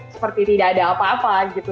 seperti tidak ada apa apa gitu